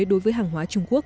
đối với hàng hóa trung quốc